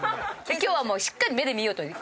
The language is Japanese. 今日はもうしっかり目で見ようという。